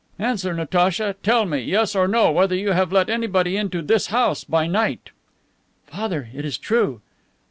"Answer, Natacha; tell me, yes or no, whether you have let anybody into this house by night." "Father, it is true."